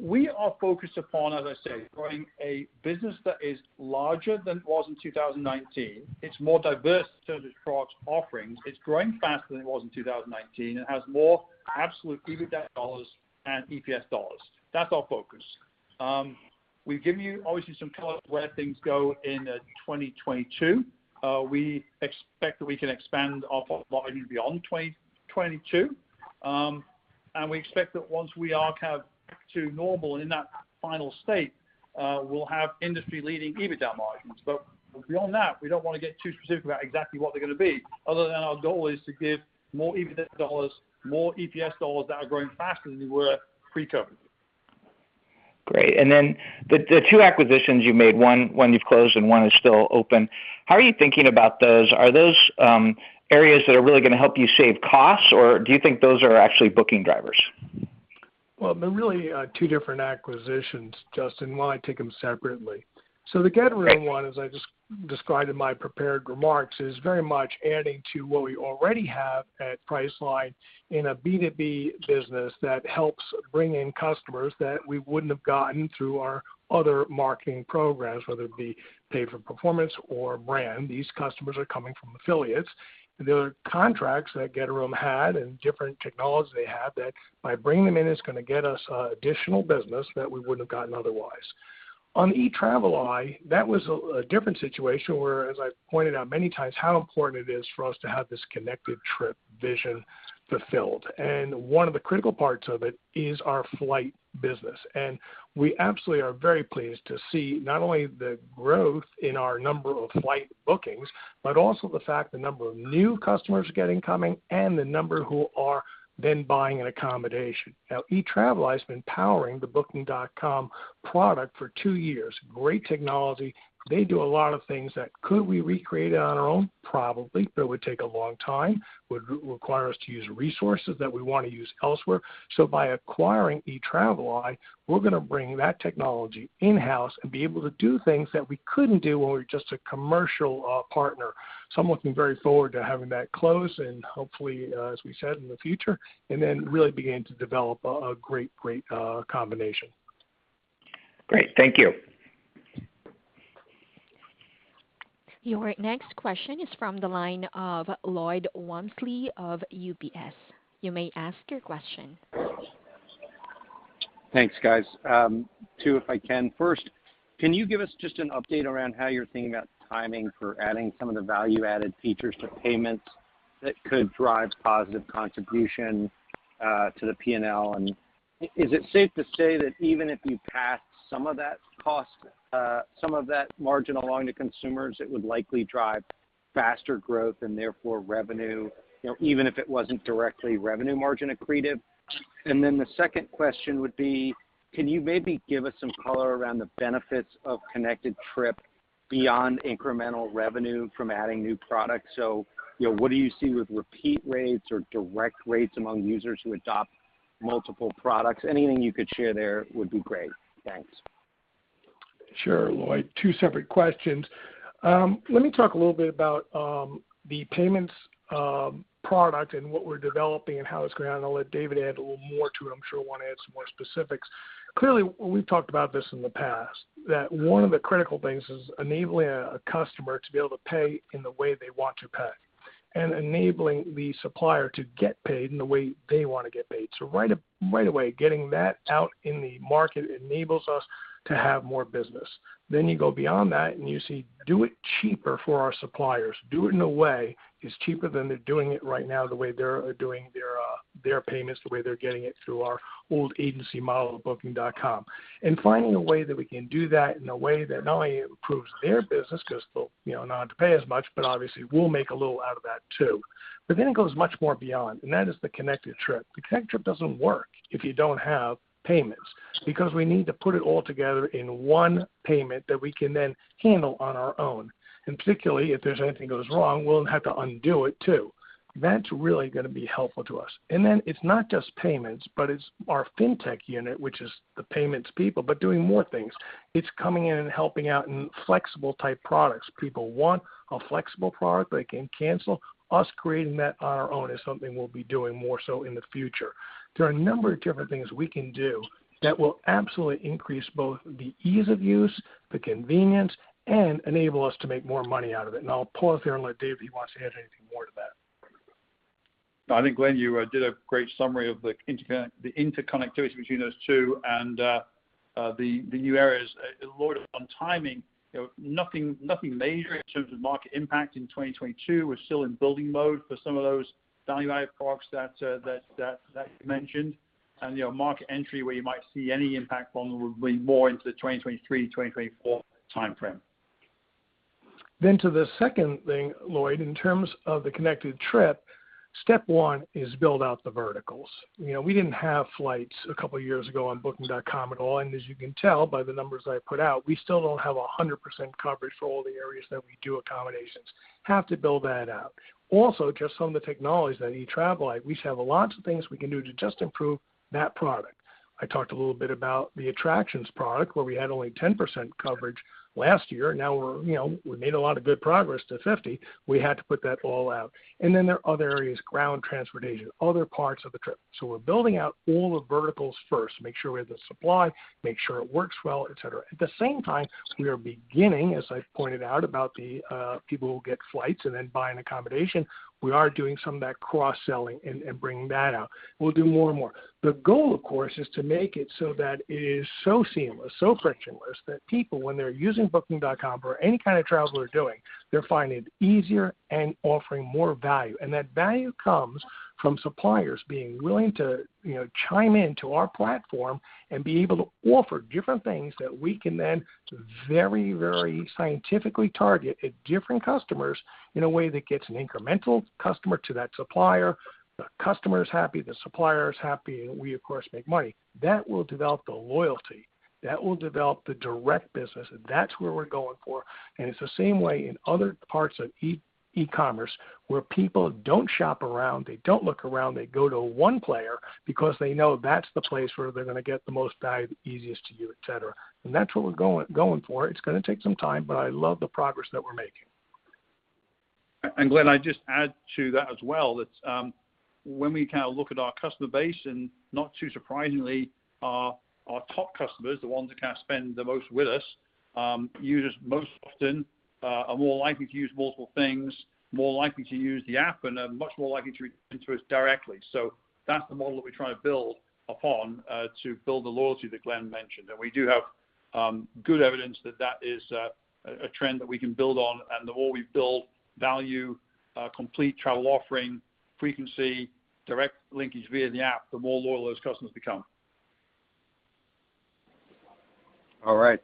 We are focused upon, as I say, growing a business that is larger than it was in 2019. It's more diverse in terms of product offerings. It's growing faster than it was in 2019. It has more absolute EBITDA dollars and EPS dollars. That's our focus. We've given you obviously some color where things go in 2022. We expect that we can expand our top line beyond 2022. We expect that once we are kind of back to normal in that final state, we'll have industry-leading EBITDA margins. Beyond that, we don't want to get too specific about exactly what they're gonna be, other than our goal is to give more EBITDA dollars, more EPS dollars that are growing faster than we were pre-COVID. Great. The two acquisitions you made, one you've closed and one is still open. How are you thinking about those? Are those areas that are really gonna help you save costs, or do you think those are actually booking drivers? Well, they're really two different acquisitions, Justin. Why don't I take them separately? The Getaroom- Great. Getaroom, as I just described in my prepared remarks, is very much adding to what we already have at Priceline in a B2B business that helps bring in customers that we wouldn't have gotten through our other marketing programs, whether it be pay for performance or brand. These customers are coming from affiliates. There are contracts that Getaroom had and different technology they have that by bringing them in, it's gonna get us additional business that we wouldn't have gotten otherwise. On Etraveli, that was a different situation where, as I pointed out many times, how important it is for us to have this connected trip vision fulfilled. One of the critical parts of it is our flight business. We absolutely are very pleased to see not only the growth in our number of flight bookings, but also the fact the number of new customers coming and the number who are then buying an accommodation. Now, Etraveli has been powering the Booking.com product for two years. Great technology. They do a lot of things that we could recreate on our own? Probably, but it would take a long time, would require us to use resources that we wanna use elsewhere. By acquiring Etraveli, we're gonna bring that technology in-house and be able to do things that we couldn't do when we were just a commercial partner. I'm looking very forward to having that close and hopefully as we said in the future, and then really begin to develop a great combination. Great. Thank you. Your next question is from the line of Lloyd Walmsley of UBS. You may ask your question. Thanks, guys. Two, if I can. First, can you give us just an update around how you're thinking about timing for adding some of the value-added features to payments that could drive positive contribution to the P&L? Is it safe to say that even if you pass some of that cost, some of that margin along to consumers, it would likely drive faster growth and therefore revenue, you know, even if it wasn't directly revenue margin accretive? The second question would be, can you maybe give us some color around the benefits of connected trip beyond incremental revenue from adding new products? You know, what do you see with repeat rates or direct rates among users who adopt multiple products? Anything you could share there would be great. Thanks. Sure, Lloyd Walmsley. Two separate questions. Let me talk a little bit about the payments product and what we're developing and how it's going on. I'll let David Goulden add a little more to it. I'm sure he'll wanna add some more specifics. Clearly, we've talked about this in the past, that one of the critical things is enabling a customer to be able to pay in the way they want to pay and enabling the supplier to get paid in the way they wanna get paid. Right away, getting that out in the market enables us to have more business. You go beyond that and you see do it cheaper for our suppliers. Do it in a way that's cheaper than they're doing it right now, the way they're doing their payments, the way they're getting it through our old agency model of Booking.com. Finding a way that we can do that in a way that not only improves their business 'cause they'll, you know, not have to pay as much, but obviously we'll make a little out of that too. It goes much more beyond, and that is the connected trip. The connected trip doesn't work if you don't have payments because we need to put it all together in one payment that we can then handle on our own. Particularly, if there's anything goes wrong, we'll have to undo it too. That's really gonna be helpful to us. It's not just payments, but it's our fintech unit, which is the payments people, but doing more things. It's coming in and helping out in flexible type products. People want a flexible product they can cancel. Us creating that on our own is something we'll be doing more so in the future. There are a number of different things we can do that will absolutely increase both the ease of use, the convenience, and enable us to make more money out of it. I'll pause there and let David, he wants to add anything more to that. I think, Glenn, you did a great summary of the interconnectivity between those two and the new areas. Lloyd, on timing, you know, nothing major in terms of market impact in 2022. We're still in building mode for some of those value-added products that you mentioned. You know, market entry where you might see any impact from would be more into the 2023 to 2024 timeframe. To the second thing, Lloyd, in terms of the connected trip, step one is build out the verticals. You know, we didn't have flights a couple years ago on booking.com at all. As you can tell by the numbers I put out, we still don't have 100% coverage for all the areas that we do accommodations. Have to build that out. Also, just some of the technologies that Etraveli, we just have lots of things we can do to just improve that product. I talked a little bit about the attractions product, where we had only 10% coverage last year. You know, we made a lot of good progress to 50%. We had to put that all out. Then there are other areas, ground transportation, other parts of the trip. We're building out all the verticals first, make sure we have the supply, make sure it works well, et cetera. At the same time, we are beginning, as I pointed out, about the, people who get flights and then buy an accommodation. We are doing some of that cross-selling and bringing that out. We'll do more and more. The goal, of course, is to make it so that it is so seamless, so frictionless that people, when they're using booking.com or any kind of travel they're doing, they're finding it easier and offering more value. That value comes from suppliers being willing to, you know, chime in to our platform and be able to offer different things that we can then very, very scientifically target at different customers in a way that gets an incremental customer to that supplier. The customer is happy, the supplier is happy, and we of course make money. That will develop the loyalty. That will develop the direct business, and that's where we're going for. It's the same way in other parts of e-commerce, where people don't shop around, they don't look around, they go to one player because they know that's the place where they're gonna get the most value, easiest to you, et cetera. That's what we're going for. It's gonna take some time, but I love the progress that we're making. Glenn, I just add to that as well, that when we kind of look at our customer base, and not too surprisingly, our top customers, the ones that kind of spend the most with us, use us most often, are more likely to use multiple things, more likely to use the app, and are much more likely to use directly. That's among we try build upon, to build a. [inaudible] We do have a good evidence that is a trend we can build on and the more we build value complete our offering frequency direct link which the app the more customers become.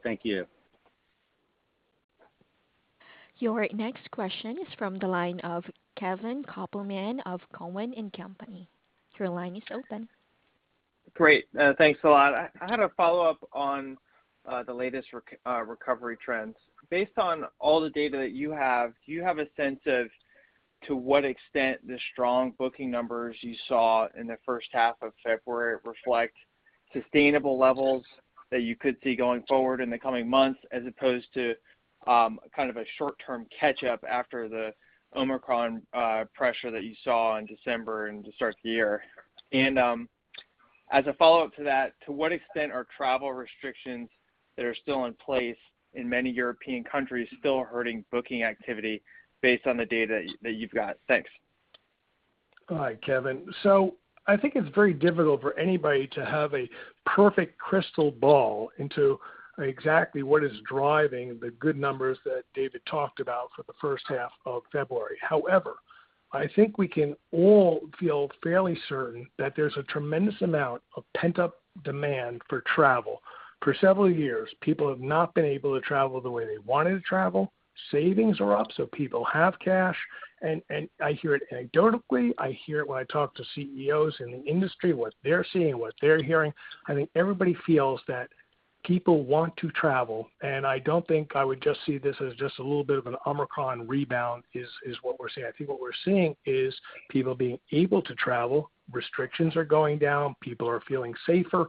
Thank you. Your next question comes from the line of Kevin Kopelman of TD Cowen. Your line is open. Great.Thanks a lot. I had a follow-up on the latest recovery trends. Based on all the data that you have, do you have a sense of to what extent the strong booking numbers you saw in the first half of February reflect sustainable levels that you could see going forward in the coming months as opposed to kind of a short-term catch-up after the Omicron pressure that you saw in December and to start the year? As a follow-up to that, to what extent are travel restrictions that are still in place in many European countries still hurting booking activity based on the data that you've got? Thanks. All right, Kevin. I think it's very difficult for anybody to have a perfect crystal ball into exactly what is driving the good numbers that David talked about for the first half of February. However, I think we can all feel fairly certain that there's a tremendous amount of pent-up demand for travel. For several years, people have not been able to travel the way they wanted to travel. Savings are up, so people have cash. I hear it anecdotally, I hear it when I talk to CEOs in the industry, what they're seeing, what they're hearing. I think everybody feels that people want to travel, and I don't think I would just see this as just a little bit of an Omicron rebound is what we're seeing. I think what we're seeing is people being able to travel, restrictions are going down, people are feeling safer.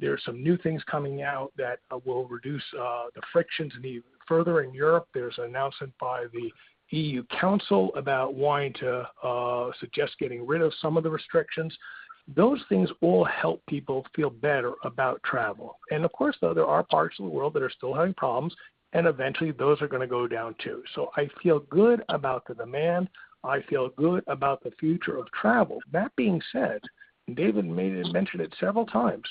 There are some new things coming out that will reduce the friction to travel further in Europe. There's an announcement by the European Council about wanting to suggest getting rid of some of the restrictions. Those things all help people feel better about travel. Of course, though there are parts of the world that are still having problems, and eventually those are gonna go down too. I feel good about the demand. I feel good about the future of travel. That being said, David mentioned it several times.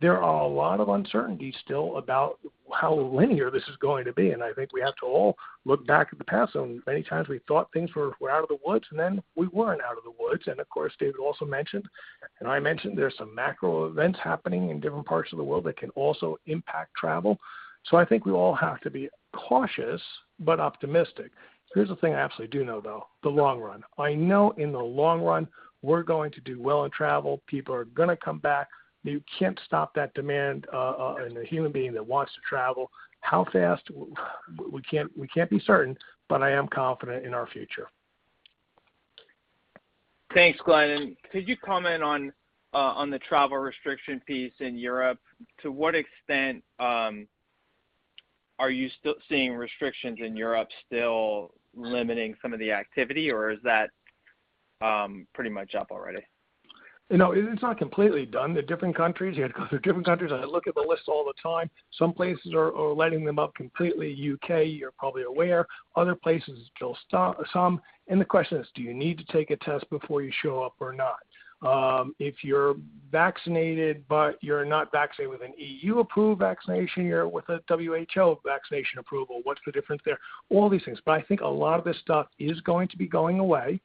There are a lot of uncertainties still about how linear this is going to be, and I think we have to all look back at the past when many times we thought things were out of the woods and then we weren't out of the woods. Of course, David also mentioned, and I mentioned there's some macro events happening in different parts of the world that can also impact travel. I think we all have to be cautious but optimistic. Here's the thing I absolutely do know, though, the long run. I know in the long run, we're going to do well in travel. People are gonna come back. You can't stop that demand in a human being that wants to travel. How fast? We can't be certain, but I am confident in our future. Thanks, Glenn. Could you comment on the travel restriction piece in Europe? To what extent are you still seeing restrictions in Europe limiting some of the activity, or is that pretty much up already? You know, it's not completely done. The different countries, you have different countries, and I look at the list all the time. Some places are letting them up completely. U.K., you're probably aware, other places still stop some. The question is, do you need to take a test before you show up or not? If you're vaccinated but you're not vaccinated with an EU-approved vaccination, you're with a WHO vaccination approval, what's the difference there? All these things. I think a lot of this stuff is going to be going away.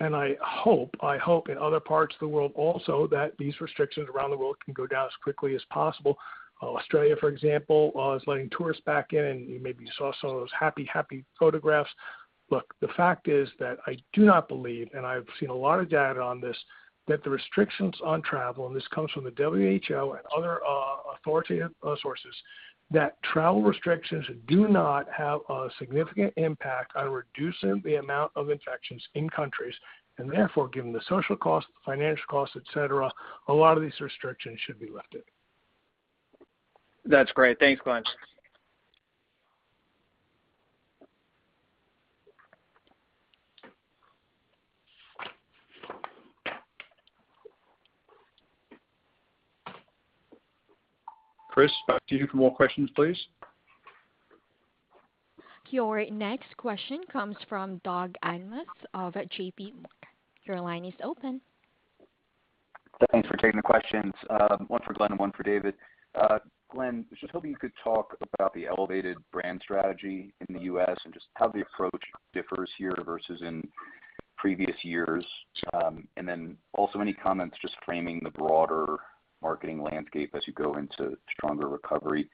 I hope in other parts of the world also that these restrictions around the world can go down as quickly as possible. Australia, for example, is letting tourists back in, and you maybe saw some of those happy photographs. Look, the fact is that I do not believe, and I've seen a lot of data on this, that the restrictions on travel, and this comes from the WHO and other authoritative sources, that travel restrictions do not have a significant impact on reducing the amount of infections in countries. Therefore, given the social cost, financial cost, et cetera, a lot of these restrictions should be lifted. That's great. Thanks, Glenn. Chris, back to you for more questions, please. Your next question comes from Doug Anmuth of JPMorgan. Your line is open. Thanks for taking the questions. One for Glenn and one for David. Glenn, I was just hoping you could talk about the elevated brand strategy in the U.S. and just how the approach differs here versus in previous years. Also any comments just framing the broader marketing landscape as you go into stronger recovery.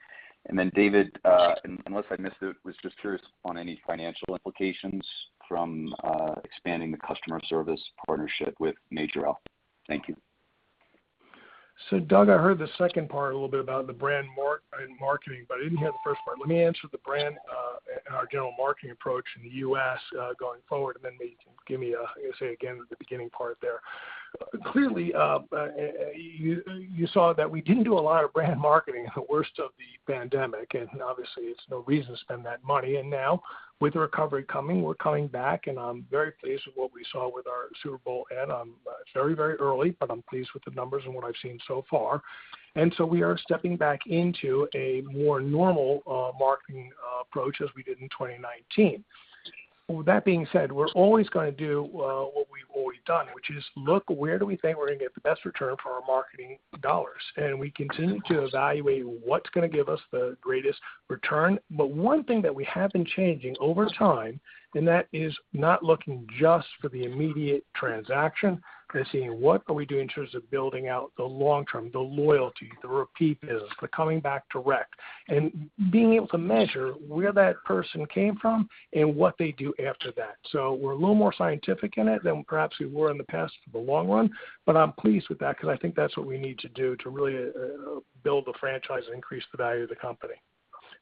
David, unless I missed it, I was just curious on any financial implications from expanding the customer service partnership with Majorel. Thank you. Doug, I heard the second part a little bit about the brand marketing, but I didn't hear the first part. Let me answer the brand, and our general marketing approach in the US, going forward, and then maybe say again the beginning part there. Clearly, you saw that we didn't do a lot of brand marketing in the worst of the pandemic, and obviously it's no reason to spend that money. Now with the recovery coming, we're coming back, and I'm very pleased with what we saw with our Super Bowl ad. It's very, very early, but I'm pleased with the numbers and what I've seen so far. We are stepping back into a more normal, marketing, approach as we did in 2019. With that being said, we're always gonna do what we've already done, which is look where do we think we're gonna get the best return for our marketing dollars. We continue to evaluate what's gonna give us the greatest return. One thing that we have been changing over time, and that is not looking just for the immediate transaction, but seeing what are we doing in terms of building out the long term, the loyalty, the repeat business, the coming back direct. Being able to measure where that person came from and what they do after that. We're a little more scientific in it than perhaps we were in the past for the long run, but I'm pleased with that because I think that's what we need to do to really build the franchise and increase the value of the company.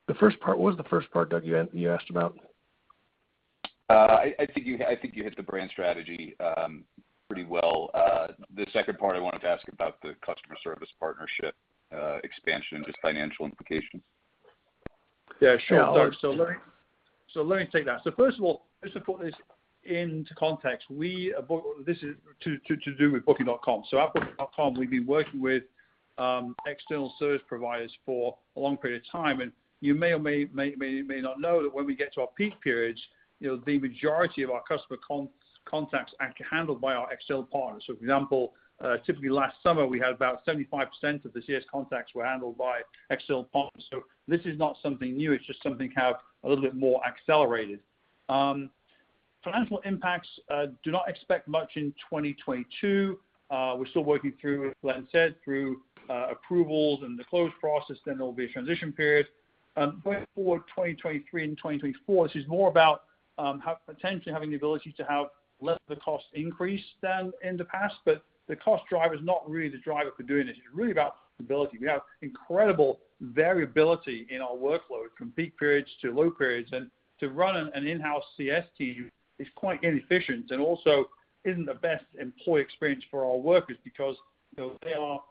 The first part, what was the first part, Doug, you asked about? I think you hit the brand strategy pretty well. The second part I wanted to ask about the customer service partnership expansion and just financial implications. Yeah, sure. Let me take that. First of all, just to put this into context, this is to do with Booking.com. At Booking.com, we've been working with external service providers for a long period of time, and you may or may not know that when we get to our peak periods, you know, the majority of our customer contacts are handled by our external partners. For example, typically last summer, we had about 75% of the CS contacts were handled by external partners. This is not something new, it's just something have a little bit more accelerated. Financial impacts do not expect much in 2022. We're still working through, as Glenn said, through approvals and the close process, then there will be a transition period. Going forward, 2023 and 2024, this is more about how potentially having the ability to have less of a cost increase than in the past, but the cost driver is not really the driver for doing this. It's really about stability. We have incredible variability in our workload, from peak periods to low periods. To run an in-house CS team is quite inefficient and also isn't the best employee experience for our workers because, you know, they are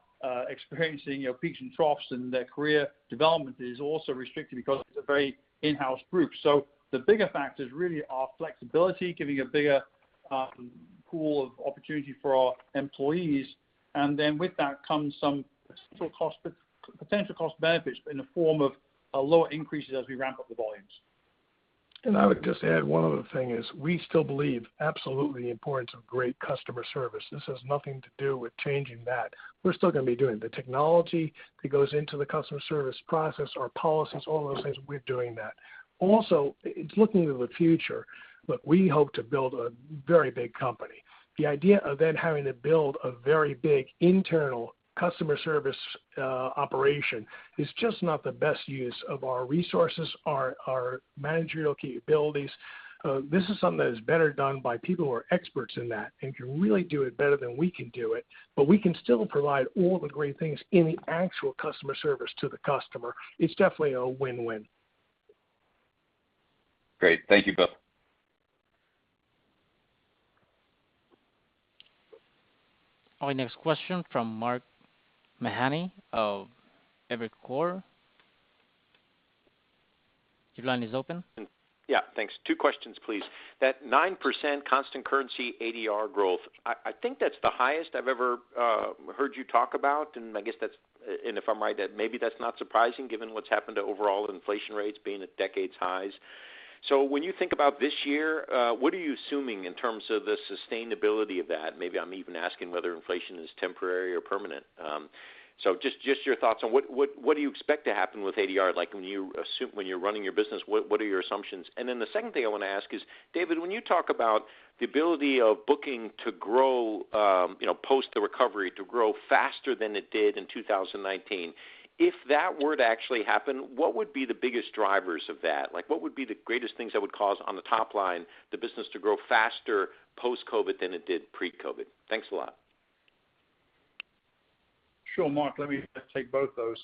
experiencing, you know, peaks and troughs, and their career development is also restricted because it's a very in-house group. So the bigger factor is really our flexibility, giving a bigger pool of opportunity for our employees. With that comes some potential cost, potential cost benefits in the form of a lower increases as we ramp up the volumes. I would just add one other thing is we still believe absolutely the importance of great customer service. This has nothing to do with changing that. We're still gonna be doing the technology that goes into the customer service process, our policies, all those things, we're doing that. Also, it's looking to the future, but we hope to build a very big company. The idea of then having to build a very big internal customer service operation is just not the best use of our resources, our managerial capabilities. This is something that is better done by people who are experts in that and can really do it better than we can do it. But we can still provide all the great things in the actual customer service to the customer. It's definitely a win-win. Great. Thank you both. Our next question from Mark Mahaney of Evercore. Your line is open. Yeah. Thanks. Two questions, please. That 9% constant currency ADR growth, I think that's the highest I've ever heard you talk about, and I guess that's if I'm right, that maybe that's not surprising given what's happened to overall inflation rates being at decades-high. When you think about this year, what are you assuming in terms of the sustainability of that? Maybe I'm even asking whether inflation is temporary or permanent. Just your thoughts on what do you expect to happen with ADR? Like when you're running your business, what are your assumptions? The second thing I wanna ask is, David, when you talk about the ability of booking to grow, you know, post the recovery, to grow faster than it did in 2019, if that were to actually happen, what would be the biggest drivers of that? Like, what would be the greatest things that would cause on the top line the business to grow faster post-COVID than it did pre-COVID? Thanks a lot. Sure, Mark. Let me take both those.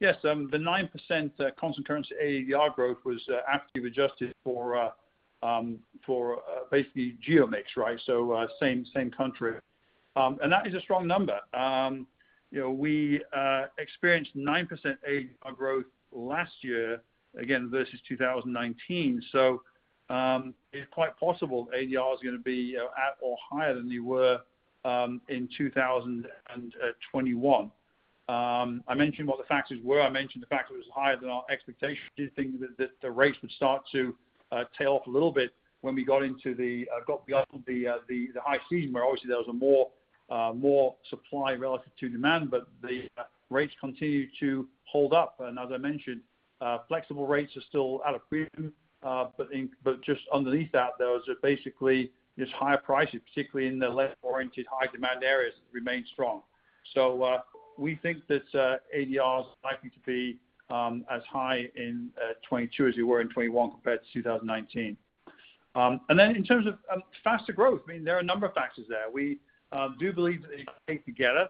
Yes, the 9% constant currency ADR growth was actively adjusted for basically geo mix, right? Same country. That is a strong number. You know, we experienced 9% ADR growth last year, again, versus 2019. It's quite possible ADR is gonna be, you know, at or higher than they were in 2021. I mentioned what the factors were. I mentioned the factor was higher than our expectations. We did think that the rates would start to tail off a little bit when we got beyond the high season, where obviously there was more supply relative to demand, but the rates continued to hold up. As I mentioned, flexible rates are still at a premium, but just underneath that, there was basically just higher prices, particularly in the leisure-oriented high-demand areas remained strong. We think that ADR is likely to be as high in 2022 as it were in 2021 compared to 2019. In terms of faster growth, I mean, there are a number of factors there. We do believe that they come together.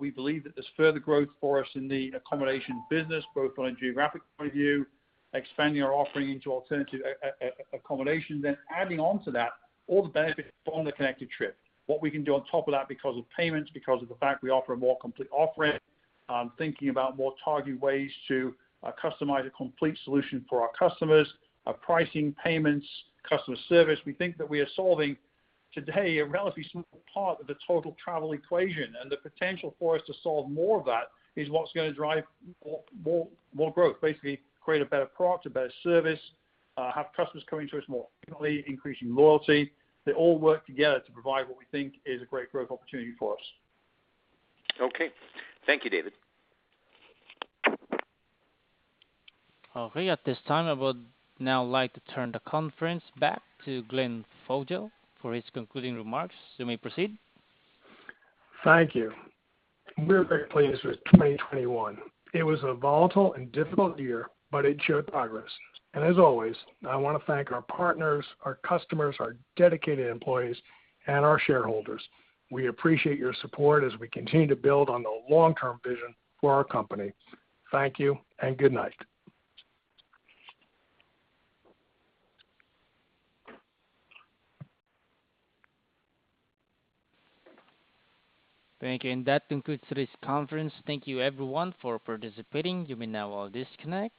We believe that there's further growth for us in the accommodation business, both from a geographic point of view, expanding our offering into alternative accommodation, then adding on to that all the benefits from the connected trip. What we can do on top of that because of payments, because of the fact we offer a more complete offering, thinking about more targeted ways to customize a complete solution for our customers, our pricing, payments, customer service. We think that we are solving today a relatively small part of the total travel equation. The potential for us to solve more of that is what's gonna drive more growth. Basically, create a better product, a better service, have customers coming to us more frequently, increasing loyalty. They all work together to provide what we think is a great growth opportunity for us. Okay. Thank you, David. Okay. At this time, I would now like to turn the conference back to Glenn Fogel for his concluding remarks. You may proceed. Thank you. We're very pleased with 2021. It was a volatile and difficult year, but it showed progress. As always, I wanna thank our partners, our customers, our dedicated employees, and our shareholders. We appreciate your support as we continue to build on the long-term vision for our company. Thank you and good night. Thank you. That concludes today's conference. Thank you everyone for participating. You may now all disconnect.